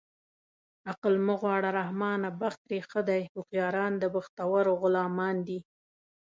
عقل مه غواړه رحمانه بخت ترې ښه دی هوښیاران د بختورو غلامان دي